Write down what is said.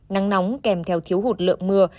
nắng nóng kèm theo thiếu hụt lượng mưa